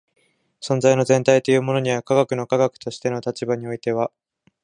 存在の全体というものには科学の科学としての立場においては